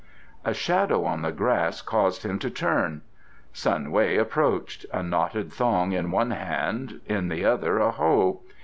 A shadow on the grass caused him to turn. Sun Wei approached, a knotted thong in one hand, in the other a hoe.